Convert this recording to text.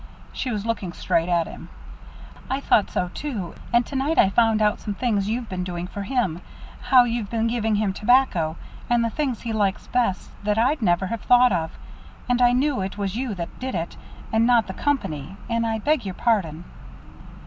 She was looking straight at him. "I thought so, too. And to night I found out some things you've been doing for him how you've been giving him tobacco, and the things he likes best that I'd never have thought of, and I knew it was you that did it, and not the Company and I I beg your pardon."